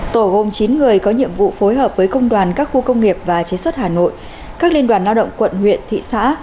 tổ gồm chín người có nhiệm vụ phối hợp với công đoàn các khu công nghiệp và chế xuất hà nội các liên đoàn lao động quận huyện thị xã